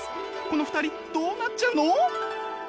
この２人どうなっちゃうの？